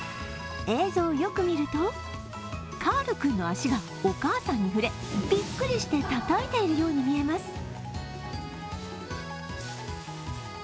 映像をよく見ると、カール君の足がお母さんに触れビックリして、たたいているように見えます。